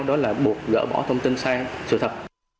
đó là buộc gỡ bỏ thông tin sai sự thật